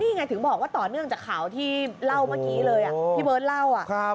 นี่ไงถึงบอกว่าต่อเนื่องจากข่าวที่เล่าเมื่อกี้เลยพี่เบิร์ตเล่า